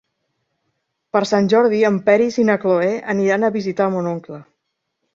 Per Sant Jordi en Peris i na Cloè aniran a visitar mon oncle.